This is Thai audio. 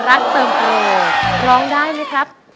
เติมครูร้องได้ไหมครับ